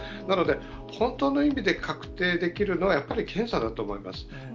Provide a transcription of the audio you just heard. なので本当の意味で、確定できるのは、やっぱり検査だと思います。